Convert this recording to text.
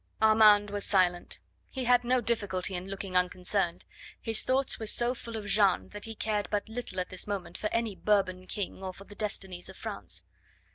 Armand was silent. He had no difficulty in looking unconcerned; his thoughts were so full of Jeanne that he cared but little at this moment for any Bourbon king or for the destinies of France.